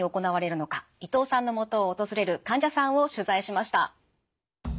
伊藤さんのもとを訪れる患者さんを取材しました。